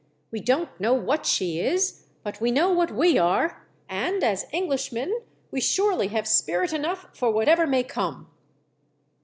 "We don't know what she is — but we know what we are — and, as Englishmen, we surely have spirit enough for whatever may come."